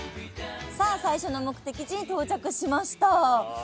さあ最初の目的地に到着しました。